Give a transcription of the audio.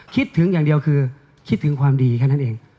คิดถึงอย่างเดียวคือคิดถึงความดีแค่นั้นเอง